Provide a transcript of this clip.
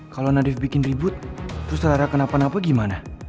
kalo nadif bikin ribut terus rara kenapa napa gimana